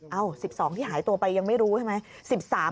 ๑๒ที่หายตัวไปยังไม่รู้ใช่ไหม